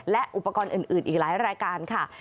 และอุปกรณ์อื่นอีกหลายรายการค่ะ